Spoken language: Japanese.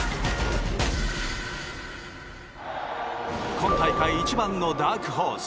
今大会一番のダークホース